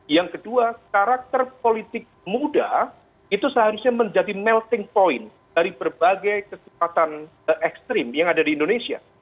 yang kedua karakter politik muda itu seharusnya menjadi melting point dari berbagai kesempatan ekstrim yang ada di indonesia